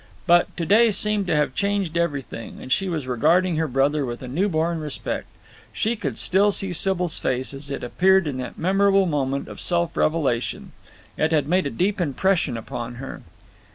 But to day seemed to have changed everything, and she was regarding her brother with a new born respect. She could still see Sybil's face as it had appeared in that memorable moment of self revelation. It had made a deep impression upon her.